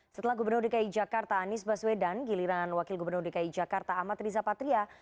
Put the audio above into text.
setelah gubernur dki jakarta anies baswedan giliran wakil gubernur dki jakarta amat riza patria